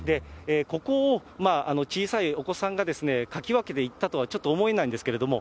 ここを小さいお子さんがかき分けていったとはちょっと思えないんですけれども。